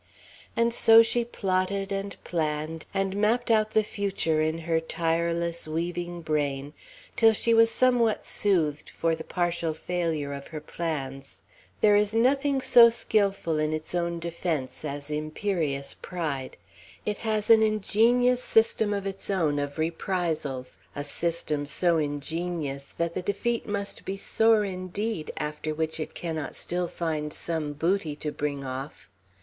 And so she plotted and planned, and mapped out the future in her tireless weaving brain, till she was somewhat soothed for the partial failure of her plans. There is nothing so skilful in its own defence as imperious pride. It has an ingenious system of its own, of reprisals, a system so ingenious that the defeat must be sore indeed, after which it cannot still find some booty to bring off!